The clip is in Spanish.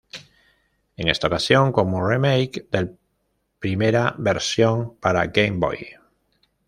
En esta ocasión como "remake" del primera versión para Game Boy.